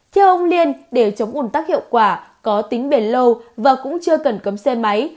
theo ông liên để chống ủn tắc hiệu quả có tính bền lâu và cũng chưa cần cấm xe máy